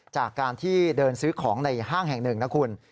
จากการที่เดินซื้อของในห้างแห่งหนึ่งนะคุณ